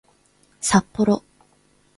さっぽろ